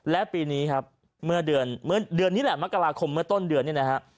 และปีนี้ครับเมื่อเดือนนี้แหละมกราคมเมื่อต้นเดือนเนี่ยนะฮะ